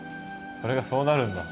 それがそうなるんだ。